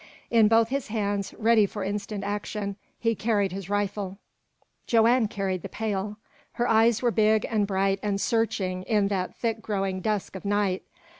In both his hands, ready for instant action, he carried his rifle. Joanne carried the pail. Her eyes were big and bright and searching in that thick growing dusk of night.